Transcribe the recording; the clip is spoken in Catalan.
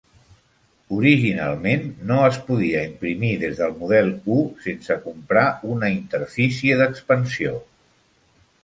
Originalment, no es podia imprimir des del Model U sense comprar una Interfície d'Expansió.